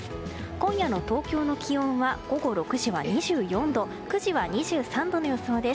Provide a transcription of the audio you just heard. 今夜の東京の気温は午後６時は２４度９時は２３度の予想です。